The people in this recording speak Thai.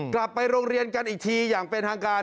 กลับไปโรงเรียนกันอีกทีอย่างเป็นทางการ